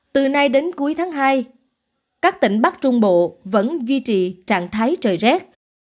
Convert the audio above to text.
từ nay đến cuối tháng hai các tỉnh bắc trung bộ vẫn duy trì trạng thái trời rét